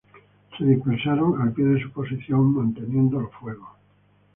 Se dispersaron al pie de su posición, manteniendo los fuegos.